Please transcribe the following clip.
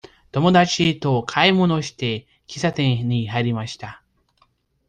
友達と買い物をして、喫茶店に入りました。